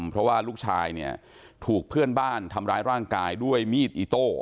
เพราะว่าลูกชายเนี่ยถูกเพื่อนบ้านทำร้ายร่างกายด้วยมีดอิโต้